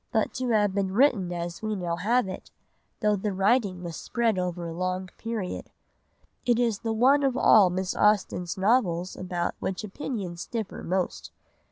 but to have been written as we now have it, though the writing was spread over a long period. It is the one of all Miss Austen's novels about which opinions differ most.